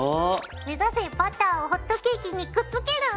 目指せバターをホットケーキにくっつける。